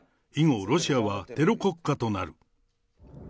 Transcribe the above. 以後、ロシアはテロ国家となる。